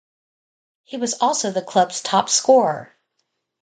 He was also the club's top scorer.